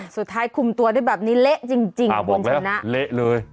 สุดท้ายคุมตัวได้แบบนี้เละจริงคุณชนะเละเลย